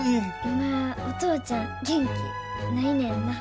今お父ちゃん元気ないねんな。